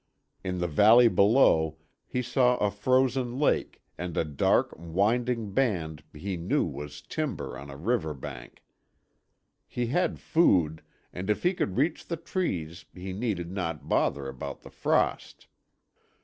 In the valley below, he saw a frozen lake and a dark, winding band he knew was timber on a river bank. He had food, and if he could reach the trees he need not bother about the frost.